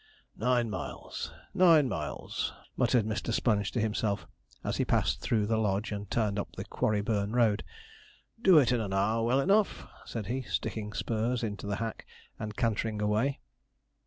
'Nine miles nine miles,' muttered Mr. Sponge to himself, as he passed through the Lodge and turned up the Quarryburn road; 'do it in an hour well enough,' said he, sticking spurs into the hack, and cantering away.